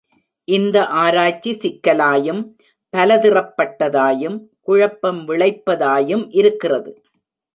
இந்த ஆராய்ச்சி சிக்கலாயும், பல திறப்பட்டதாயும், குழப்பம் விளைப்பதாயும் இருக்கிறது.